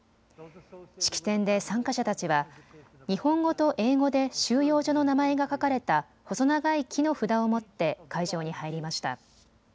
式典で参加者たちは日本語と英語で収容所の名前が書かれた細長い木の札を持って会場に入りました。